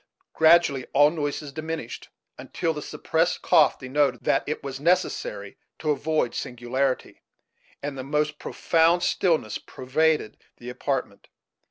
Gradually all noises diminished, until the suppressed cough denoted that it was necessary to avoid singularity, and the most profound stillness pervaded the apartment.